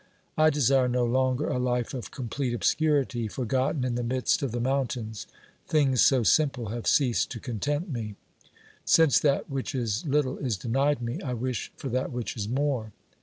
I desire no longer a life of OBERMANN 227 complete obscurity, forgotten in the midst of the mountains ; things so simple have ceased to content me. Since that which is little is denied me, I wish for that which is more.